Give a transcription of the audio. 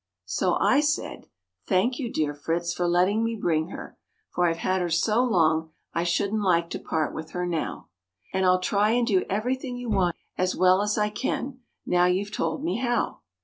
So I said, "Thank you, dear Fritz, for letting me bring her, for I've had her so long I shouldn't like to part with her now; And I'll try and do everything you want as well as I can, now you've told me how."